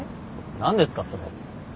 何ですかそれ。